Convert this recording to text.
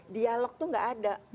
dialog itu tidak ada